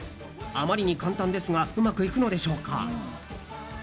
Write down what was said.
あまりに簡単ですがうまくいくのでしょうか。